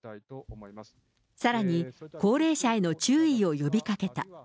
さらに、高齢者への注意を呼びかけた。